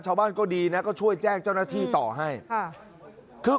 ชาวบ้านก็ดีนะก็ช่วยแจ้งเจ้าหน้าที่ต่อให้ค่ะคือ